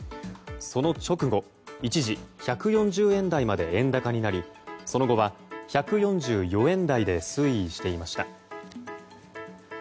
その直後、一時１４０円台まで円高になりその後は１４４円台で推移していました。